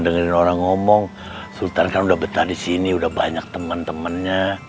dengerin orang ngomong sultan kan udah betah di sini udah banyak teman temannya